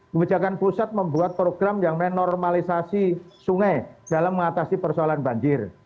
kebijakan pusat membuat program yang menormalisasi sungai dalam mengatasi persoalan banjir